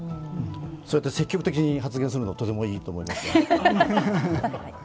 そうやって積極的に発言するのはとてもいいと思います。